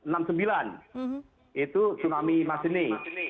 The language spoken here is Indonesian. dari enam puluh sembilan itu tsunami madene